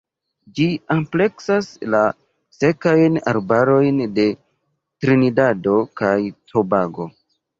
Ĝi ampleksas la Sekajn arbarojn de Trinidado kaj Tobago.